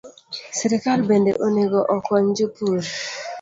Sirkal bende onego okony jopur